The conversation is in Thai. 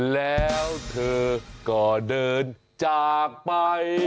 แล้วเธอก็เดินจากไป